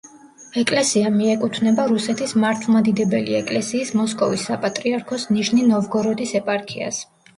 ეკლესია მიეკუთვნება რუსეთის მართლმადიდებელი ეკლესიის მოსკოვის საპატრიარქოს ნიჟნი-ნოვგოროდის ეპარქიას.